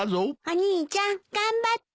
お兄ちゃん頑張って！